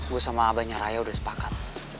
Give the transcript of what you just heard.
gue sama abahnya ray udah sepakat